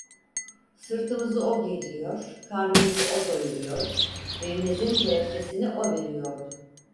Sırtımızı o giydiriyor, karnımızı o doyuruyor, evimizin kerestesini o veriyordu.